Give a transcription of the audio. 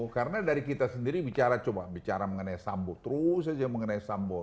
karena dari kita sendiri bicara coba bicara mengenai sambo terus aja mengenai sambo